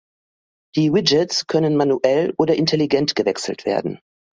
Die Widgets können manuell oder intelligent gewechselt werden.